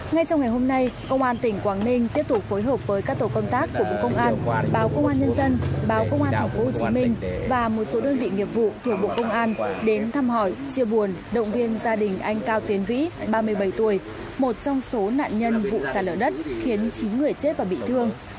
ngay trong ngày hôm nay công an tỉnh quảng ninh tiếp tục phối hợp với các tổ công tác của bộ công an báo công an nhân dân báo công an tp hcm và một số đơn vị nghiệp vụ thuộc bộ công an đến thăm hỏi chia buồn động viên gia đình anh cao tiến vĩ ba mươi bảy tuổi một trong số nạn nhân vụ sạt lở đất khiến chín người chết và bị thương